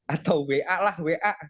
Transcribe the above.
atau wa lah wa